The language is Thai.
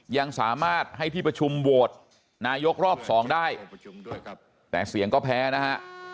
ยังสามารถให้ที่ประชุมโหวตนายกรอบสองได้แต่เสียงก็แพ้นะฮะ